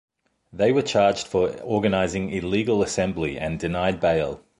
They were charged for organizing illegal assembly and denied bail.